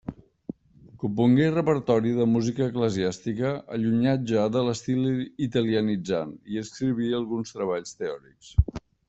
Compongué repertori de música eclesiàstica, allunyat ja de l'estil italianitzant, i escriví alguns treballs teòrics.